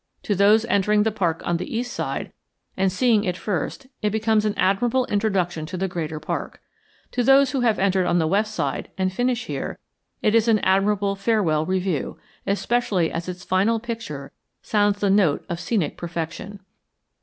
To those entering the park on the east side and seeing it first it becomes an admirable introduction to the greater park. To those who have entered on the west side and finish here it is an admirable farewell review, especially as its final picture sounds the note of scenic perfection.